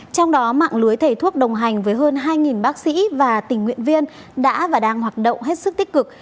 trong đó mạng lưới thầy thuốc đồng hành với hơn hai bác sĩ và tình nguyện viên đã và đang hoạt động hết sức tích cực